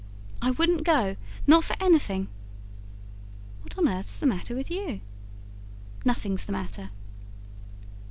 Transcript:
"I wouldn't go. Not for anything!" "What on earth's the matter with you?" "Nothing's the matter."